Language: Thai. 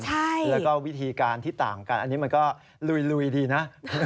แล้วก็วิธีการที่ต่างกันอันนี้มันก็ลุยดีนะ